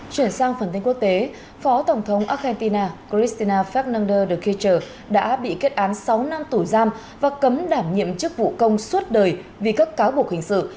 chuyển sang phần tin quốc tế phó tổng thống argentina cristina fernandez de kircher đã bị kết án sáu năm tù giam và cấm đảm nhiệm chức vụ công suốt đời vì các cáo buộc hình sự